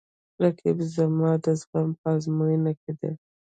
رقیب زما د زغم په ازموینه کې دی